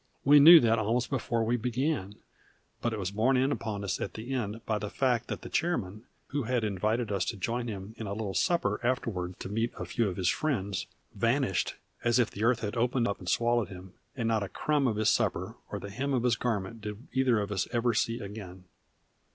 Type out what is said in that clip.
We knew that almost before we began; but it was borne in upon us at the end by the fact that the chairman, who had invited us to join him in a little supper afterward to meet a few of his friends, vanished as if the earth had opened up and swallowed him, and not a crumb of his supper or the hem of his garment did either of us ever see again.